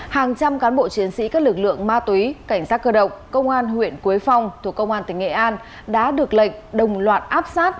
hàng trăm cán bộ chiến sĩ các lực lượng ma túy cảnh sát cơ động công an huyện quế phong thuộc công an tỉnh nghệ an đã được lệnh đồng loạt áp sát